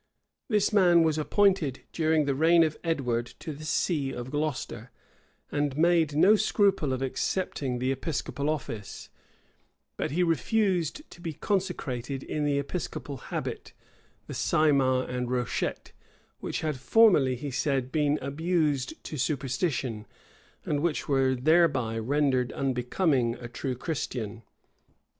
This man was appointed, during the reign of Edward, to the see of Glocester, and made no scruple of accepting the episcopal office; but he refused to be consecrated in the episcopal habit, the cymar and rochet, which had formerly, he said, been abused to superstition, and which were thereby rendered unbecoming a true Christian.